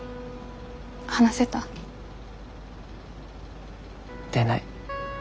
話せた？出ない。